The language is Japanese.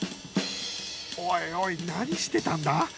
おいおい何してたんだ？